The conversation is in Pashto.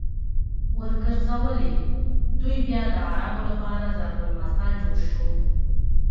ورګرځولې!! دوی بيا د عربو لپاره ضرب المثل جوړ شو